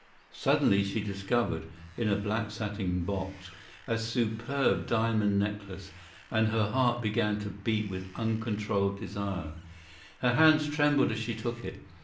Suddenly she discovered, in a black satin box, a superb diamond necklace, and her heart throbbed with an immoderate desire. Her hands trembled as she took it.